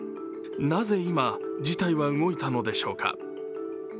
なぜ今、事態は動いたのでしょうか